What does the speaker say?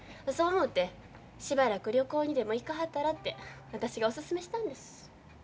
そう思うてしばらく旅行にでも行かはったらて私がおすすめしたんです。